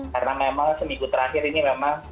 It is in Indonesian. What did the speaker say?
karena memang seminggu terakhir ini memang